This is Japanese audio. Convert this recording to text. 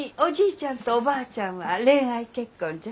ちゃんとおばあちゃんは恋愛結婚じゃ。